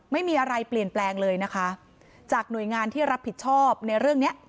ไม่มีอะไรเปลี่ยนแปลงเลยนะคะจากหน่วยงานที่รับผิดชอบในเรื่องเนี้ย